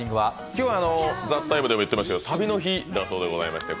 今日は「ＴＨＥＴＩＭＥ，」でも言ってましたけど、旅の日でございます